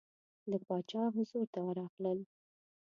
د باچا حضور ته راغلل.